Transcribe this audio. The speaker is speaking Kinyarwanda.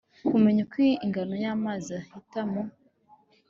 Kumenya uko ingano y amazi ahita mu